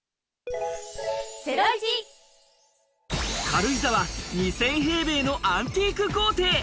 軽井沢２０００平米のアンティーク豪邸。